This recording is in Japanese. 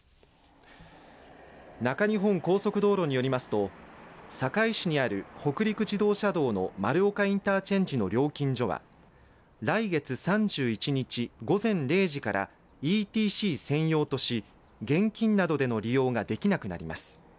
中日本高速道路によりますと坂井市にある北陸自動車道の丸岡インターチェンジの料金所は来月３１日、午前０時からＥＴＣ専用とし現金などでの利用ができなくなります。